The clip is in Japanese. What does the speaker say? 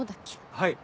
はい。